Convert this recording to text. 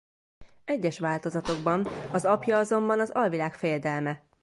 Egyes változatokban az apja azonban az Alvilág-fejedelme.